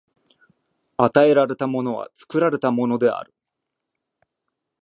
与えられたものは作られたものである。